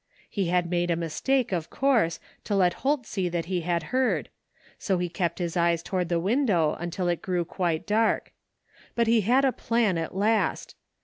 He had made a mistake, of course, to let Holt see that he had heard, so he kept his eyes toward the window until it grew quite dark. But he had a plan at last.